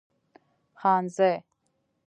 خانزۍ